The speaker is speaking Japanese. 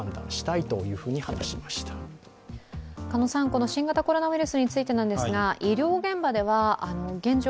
この新型コロナウイルスについてですが医療現場では現状